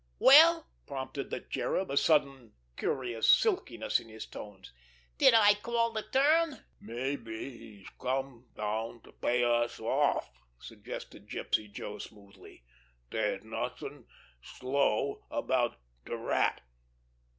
"Well?" prompted the Cherub, a sudden, curious silkiness in his tones. "Did I call de turn?" "Maybe he's come down to pay us off," suggested Gypsy Joe smoothly. "Dere's nothin' slow about de Rat."